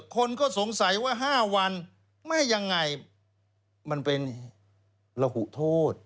คนก็สงสัยว่า๕วันไม่ยังไงมันเป็นระหุโทษ